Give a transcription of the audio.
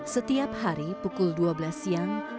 setiap hari pukul dua belas siang